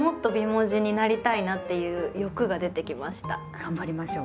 頑張りましょう！